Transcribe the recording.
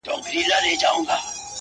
مړ يې کړم اوبه له ياده وباسم،